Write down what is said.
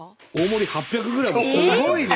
すごいね！